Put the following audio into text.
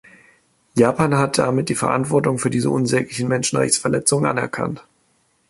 Japan hat damit die Verantwortung für diese unsäglichen Menschenrechtsverletzungen anerkannt.